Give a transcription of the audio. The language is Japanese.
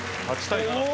８対７。